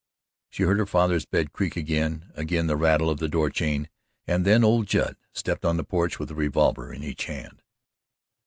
She heard her father's bed creak again, again the rattle of the door chain, and then old Judd stepped on the porch with a revolver in each hand.